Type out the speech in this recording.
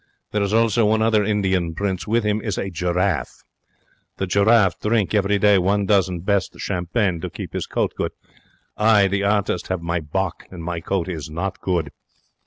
There is also one other Indian prince. With him is a giraffe. The giraffe drink every day one dozen best champagne to keep his coat good. I, the artist, have my bock, and my coat is not good.